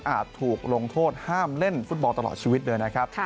ถูกลงโทษห้ามเล่นฟุตบอลตลอดชีวิตเลยนะครับ